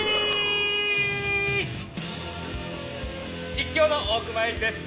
実況の大熊英司です。